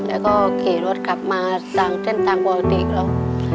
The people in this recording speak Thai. แล้วก็ขี่รถกลับมาตามเส้นทางปกติแล้ว